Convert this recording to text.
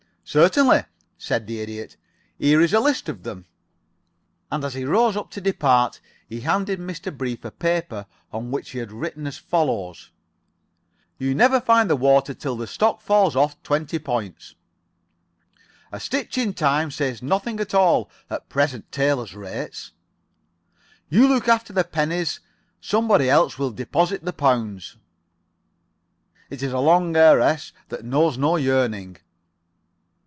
"Certainly," said the Idiot. "Here is a list of them." And as he rose up to depart he handed Mr. Brief a paper on which he had written as follows: "You never find the water till the stock falls off twenty points." "A stitch in time saves nothing at all at present tailors' rates." "You look after the pennies. Somebody else will deposit the pounds." "It's a long heiress that knows no yearning."